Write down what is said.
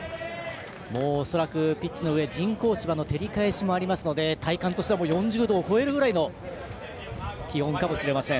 恐らくピッチの上人工芝の照り返しもありますので体感としては４０度を超えるぐらいの気温かもしれません。